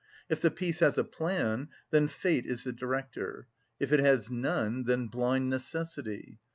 If the piece has a plan, then fate is the director; if it has none, then blind necessity.